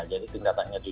jadi tingkatannya itu